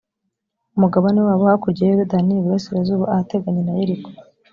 umugabane wabo hakurya ya yorudani iburasirazuba, ahateganye na yeriko.